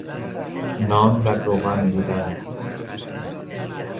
نان در روغن بودن